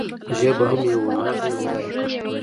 ژبه هم یو هنر دي زده یی کړه.